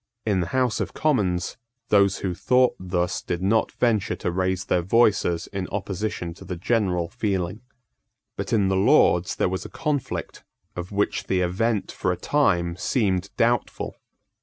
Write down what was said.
In the House of Commons, those who thought thus did not venture to raise their voices in opposition to the general feeling. But in the Lords there was a conflict of which the event for a time seemed doubtful.